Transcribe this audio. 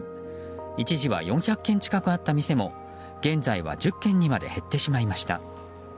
一時は４００軒近くあった店も現在は１０軒にまで減ってしまいました。